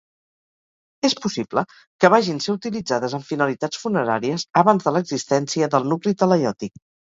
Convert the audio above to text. És possible que vagin ser utilitzades amb finalitats funeràries abans de l'existència del nucli talaiòtic.